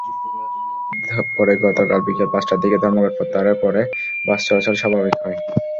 পরে গতকাল বিকেল পাঁচটার দিকে ধর্মঘট প্রত্যাহারের পরে বাস চলাচল স্বাভাবিক হয়।